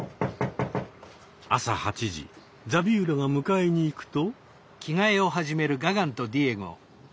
朝８時ザビウラが迎えに行くと。